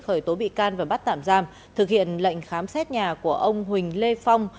khởi tố bị can và bắt tạm giam thực hiện lệnh khám xét nhà của ông huỳnh lê phong